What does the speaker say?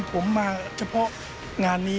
ผมมาเฉพาะงานนี้